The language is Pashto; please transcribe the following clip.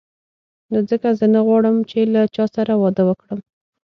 نو ځکه زه نه غواړم چې له چا سره واده وکړم.